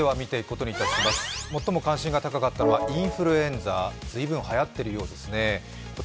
最も関心が高かったのはインフルエンザ、随分はやってるみたいですね。